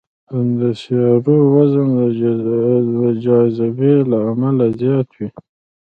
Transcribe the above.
د سیارو وزن د جاذبې له امله زیات وي.